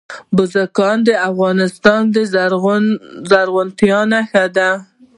بزګان د افغانستان د زرغونتیا نښه ده.